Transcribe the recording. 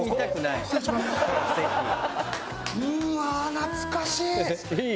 懐かしい！